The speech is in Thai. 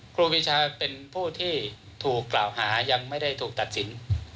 ครูปีชาเป็นผู้ที่ถูกกล่าวหายังไม่ได้ถูกตัดสิน